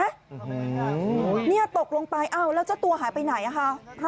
อื้อฮือนี่ตกลงไปแล้วจะตัวหายไปไหนนะคะ